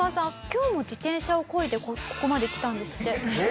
今日も自転車をこいでここまで来たんですって。